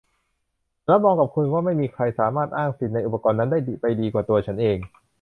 ฉันรับรองกับคุณว่าไม่มีใครสามารถอ้างสิทธิ์ในอุปกรณ์นั้นได้ดีไปกว่าตัวฉันเอง